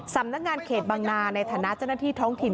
สำนักงานเขตบางนาในฐานะเจ้าหน้าที่ท้องถิ่น